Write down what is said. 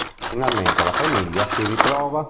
Finalmente la famiglia si ritrova.